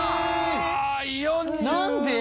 何で？